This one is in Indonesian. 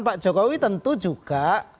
pak jokowi tentu juga